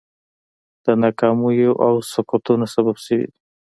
د ناکامیو او سقوطونو سبب شوي دي.